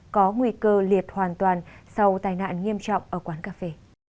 có nguy cơ liệt hoàn toàn sau tai nạn nghiêm trọng ở quán cà phê